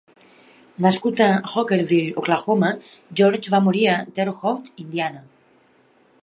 Nascut a Hockerville, Oklahoma, George va morir a Terre Haute, Indiana.